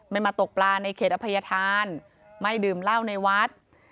มาตกปลาในเขตอภัยธานไม่ดื่มเหล้าในวัด